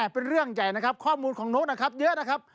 เป็นเรื่องใหญ่นะครับข้อมูลของโน้ตนะครับเยอะนะครับ